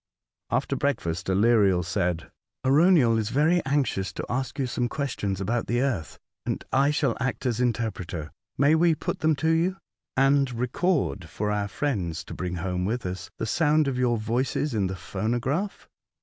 After break fast, Aleriel said :" Arauniel is very anxious to ask you some questions about the earth, and I shall act as interpreter. May we put them to you, and record for our friends, to bring home with us, the sound of your voices in the phonograph?"